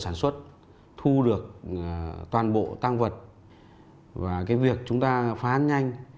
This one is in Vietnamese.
sản xuất thu được toàn bộ tăng vật và cái việc chúng ta phán nhanh